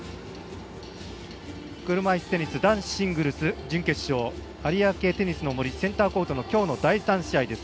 車いすテニス男子シングルス準決勝有明テニスの森センターコートのきょうの第３試合です。